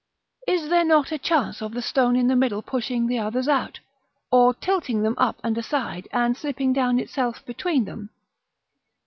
Is there not a chance of the stone in the middle pushing the others out, or tilting them up and aside, and slipping down itself between them?